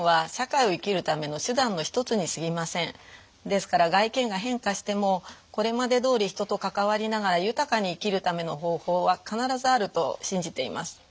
ですから外見が変化してもこれまでどおり人と関わりながら豊かに生きるための方法は必ずあると信じています。